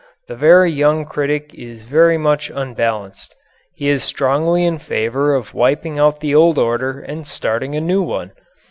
The very young critic is very much unbalanced. He is strongly in favor of wiping out the old order and starting a new one.